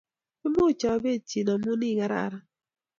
imuch a betchin amun I kararan